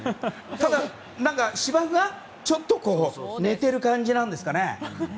ただ、芝生がちょっと寝ている感じなんですかね。